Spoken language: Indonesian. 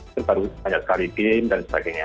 terbaru banyak sekali game dan sebagainya